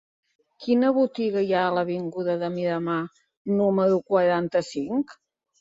Quina botiga hi ha a l'avinguda de Miramar número quaranta-cinc?